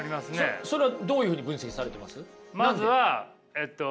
それはどういうふうに分析されてます？